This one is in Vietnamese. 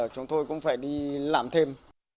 chúng tôi cũng phải đi làm thêm